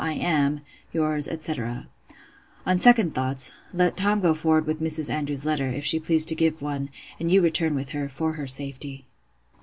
I am 'Yours, etc.' 'On second thoughts, let Tom go forward with Mrs. Andrews's letter, if she pleases to give one; and you return with her, for her safety.